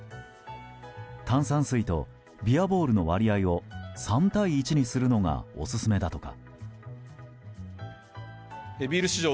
炭酸水とビアボールの割合を３対１にするのがオススメだとか。